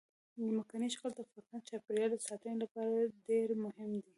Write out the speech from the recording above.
ځمکنی شکل د افغانستان د چاپیریال ساتنې لپاره ډېر مهم دي.